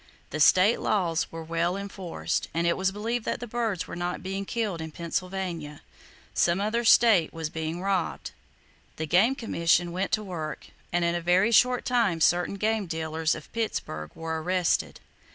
The state laws were well enforced, and it was believed that the birds were not being killed in Pennsylvania. Some other state was being robbed! The Game Commission went to work, and in a very short time certain game dealers of Pittsburgh were arrested.